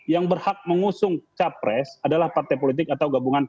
yang berhak mengusung capres adalah partai politik atau gabungan